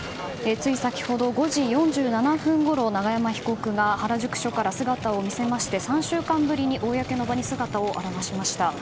つい先ほど５時４７分ごろ永山被告が原宿署から姿を見せまして３週間ぶりに公の場に姿を現しました。